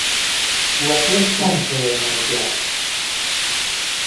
وەپێش تۆم کهوێ مهرگه